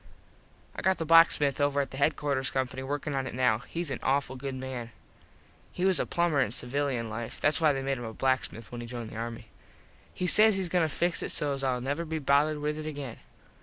I got the blacksmith over at headquarters company workin on it now. Hes an awful good man. He was a plumber in civilian life. Thats why they made him a blacksmith when he joined the army. He says hes goin to fix it sos Ill never be bothered with it again.